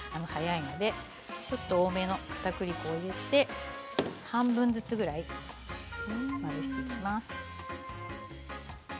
ちょっと多めのかたくり粉を入れて半分ずつぐらいまぶしていきます。